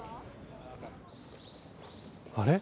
あれ？